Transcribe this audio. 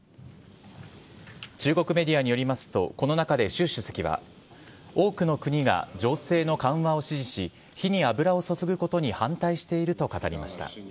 中国メディアによりますと、この中で習主席は、多くの国が情勢の緩和を支持し、火に油を注ぐことに反対していると語りました。